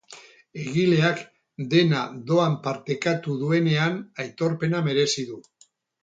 Egileak dena doan partekatu duenean aitorpena merezi du.